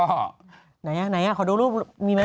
ไหนขอดูรูปมีไหม